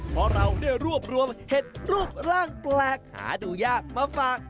เพราะเราได้รวบรวมเห็ดรูปร่างแปลกหาดูยากมาฝาก